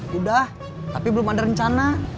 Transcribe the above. sudah tapi belum ada rencana